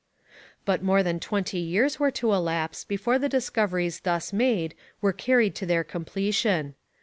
But more than twenty years were to elapse before the discoveries thus made were carried to their completion.